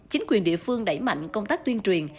chính quyền địa phương đẩy mạnh công tác tuyên truyền